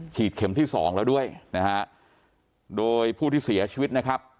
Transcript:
เข็มที่สองแล้วด้วยนะฮะโดยผู้ที่เสียชีวิตนะครับ